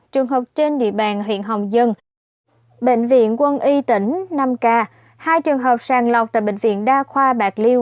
trường hợp trên địa bàn huyện hồng dân bệnh viện quân y tỉnh năm k hai trường hợp sàng lọc tại bệnh viện đa khoa bạc liêu